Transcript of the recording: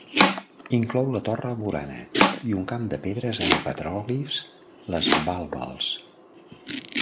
Inclou la torre Burana i un camp de pedres amb petròglifs, les "bal-bals".